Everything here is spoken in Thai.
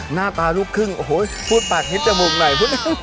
หน้าตาลูกครึ่งโอ้โหพูดปากฮิตจมูกหน่อย